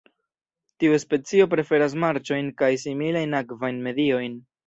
Tiu specio preferas marĉojn kaj similajn akvajn mediojn.